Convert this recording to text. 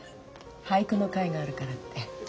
俳句の会があるからって。